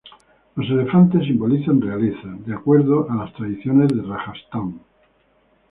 Los elefantes simbolizan realeza, de acuerdo a las tradiciones de Rajastán.